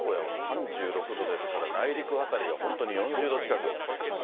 特に名古屋は３６度ですから、内陸辺りは本当に４０度近く。